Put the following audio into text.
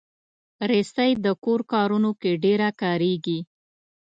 رسۍ د کور کارونو کې ډېره کارېږي.